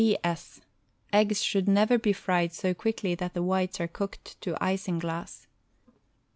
P. S. — Eggs should never be fried so quickly that the whites are cooked to isinglass.